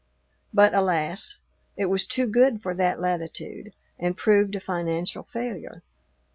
But alas! it was too good for that latitude and proved a financial failure.